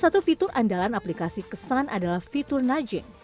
salah satu fitur andalan aplikasi kesan adalah fitur najib